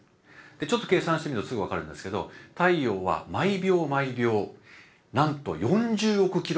ちょっと計算してみるとすぐ分かるんですけど太陽は毎秒毎秒なんと毎秒ですよ。